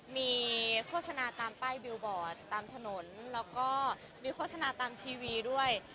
มีโฆษณาตามป้ายบิลบอร์ดตามถนนแล้วก็มีโฆษณาตามทีวีด้วย